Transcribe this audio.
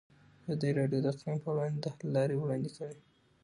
ازادي راډیو د اقلیم پر وړاندې د حل لارې وړاندې کړي.